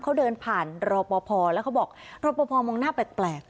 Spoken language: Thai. เขาเดินผ่านรอปอพอแล้วเขาบอกรอปอพอมองหน้าแปลกแปลก